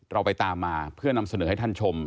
เราไปตามมาเพื่อนำเสนอให้ท่านชม